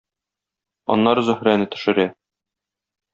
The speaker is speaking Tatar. Аннары Зөһрәне төшерә.